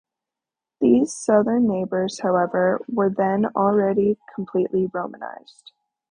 These southern neighbours, however, were then already completely Romanised.